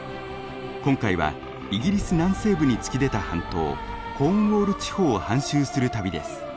今回はイギリス南西部に突き出た半島コーンウォール地方を半周する旅です。